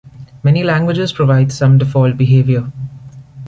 Many languages provide some default behavior.